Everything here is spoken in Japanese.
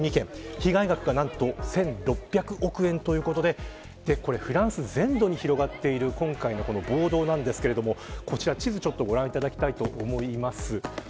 被害額が、何と１６００億円ということでフランス全土に広がっている今回の暴動ですがこちら地図をご覧いただきたいと思います。